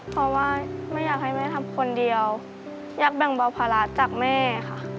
เพราะว่าไม่อยากให้แม่ทำคนเดียวอยากแบ่งเบาภาระจากแม่ค่ะ